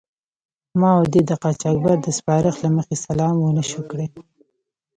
ما او دې د قاچاقبر د سپارښت له مخې سلام و نه شو کړای.